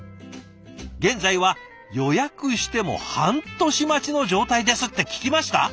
現在は予約しても半年待ちの状態です」って聞きました？